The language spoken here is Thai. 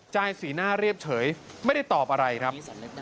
สีหน้าเรียบเฉยไม่ได้ตอบอะไรครับ